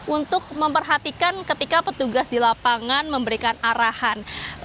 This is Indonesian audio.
untuk memperhatikan ketika petugas di lapangan memberikan arahan